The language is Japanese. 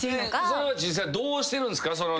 それは実際どうしてるんすか？